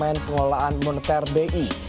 kepala departemen pengolahan monetar bi